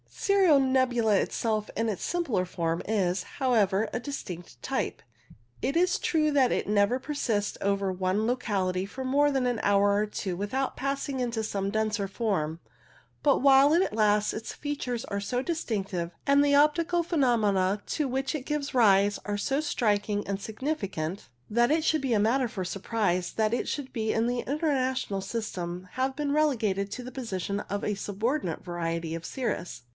Cirro nebula itself, in its simpler form, is, how ever, a distinct type. It is true that it never persists over one locality for more than an hour or two without passing into some denser form, but while it lasts its features are so distinctive, and the optical phenomena to which it gives rise are so striking and significant, that it is a matter for surprise that it should in the International system have been rele gated to the position of a subordinate variety of cirrus.